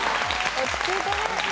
落ち着いてる！